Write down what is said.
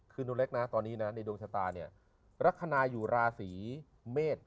คือหนูเล็กนะตอนนี้นะในดวงชะตาเนี่ยลักษณะอยู่ราศีเมษ